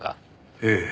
ええ。